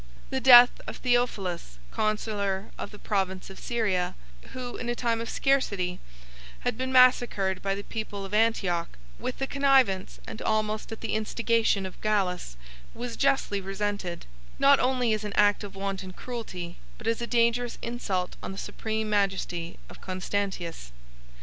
The death of Theophilus, consular of the province of Syria, who in a time of scarcity had been massacred by the people of Antioch, with the connivance, and almost at the instigation, of Gallus, was justly resented, not only as an act of wanton cruelty, but as a dangerous insult on the supreme majesty of Constantius.